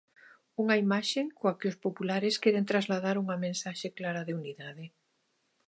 Unha imaxe coa que os populares queren trasladar unha mensaxe clara de unidade.